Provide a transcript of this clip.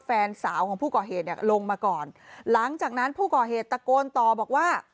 แฟนสาวของผู้ก่อเหตุเนี่ยลงมาก่อนหลังจากนั้นผู้ก่อเหตุตะโกนต่อบอกว่า